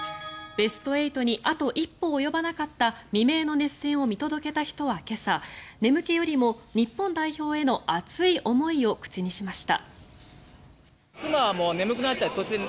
ベスト８にあと一歩及ばなかった未明の熱戦を見届けた人は今朝眠気よりも日本代表への熱い思いを口にしました。